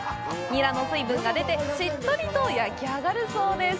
ニラの水分が出てしっとりと焼き上がるそうです。